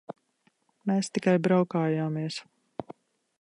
Mēs tikai braukājāmies.